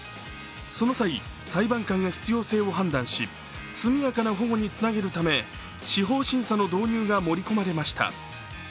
その際、裁判官が必要性を判断し、速やかな保護につなげるため司法審査の導入が盛り込まれました。